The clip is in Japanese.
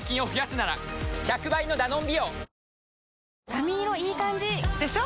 髪色いい感じ！でしょ？